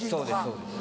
そうです。